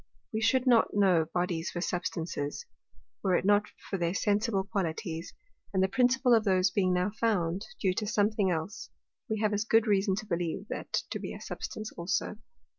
We should not know Bodies for Substances, were it not for their sensible Qualities; and the principal of those being now found due to something else, we have as good reason to believe that to be a Substance also.